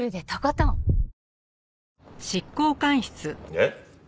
えっ？